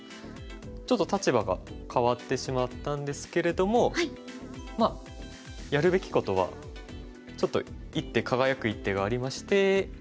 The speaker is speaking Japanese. ちょっと立場が変わってしまったんですけれどもまあやるべきことはちょっと一手輝く一手がありまして。